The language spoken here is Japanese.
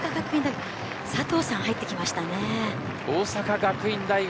大阪学院大学。